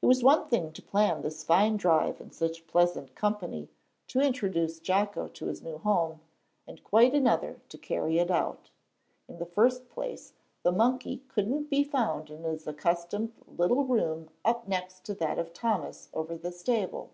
It was one thing to plan this fine drive in such pleasant company to introduce Jocko to his new home, and quite another to carry it out. In the first place, the monkey couldn't be found in his accustomed little room up next to that of Thomas over the stable.